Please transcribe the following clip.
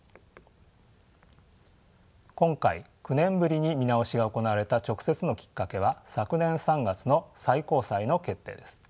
今回９年ぶりに見直しが行われた直接のきっかけは昨年３月の最高裁の決定です。